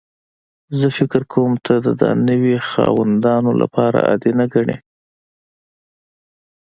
زه فکر کوم ته دا د نوي خاوندانو لپاره عادي نه ګڼې